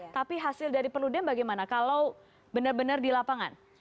tapi hasil dari perludem bagaimana kalau benar benar di lapangan